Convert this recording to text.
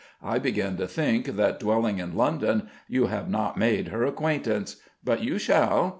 I begin to think that, dwelling in London, you have not made her acquaintance. But you shall.